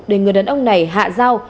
để người đàn ông này hạ dao